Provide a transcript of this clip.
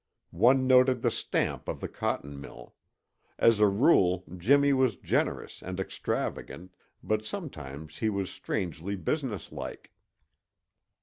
One noted the stamp of the cotton mill. As a rule Jimmy was generous and extravagant; but sometimes he was strangely business like.